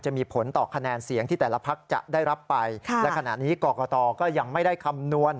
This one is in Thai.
จะมีผลต่อคะแนนเสียงที่แต่ละพักจะได้รับไปและขณะนี้กรกตก็ยังไม่ได้คำนวณ